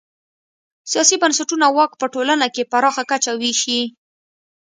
سیاسي بنسټونه واک په ټولنه کې پراخه کچه وېشي.